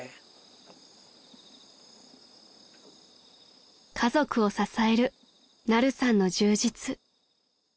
［家族を支えるナルさんの充実］